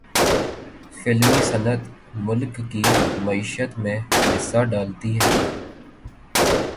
فلمی صنعت ملک کی معیشت میں حصہ ڈالتی ہے۔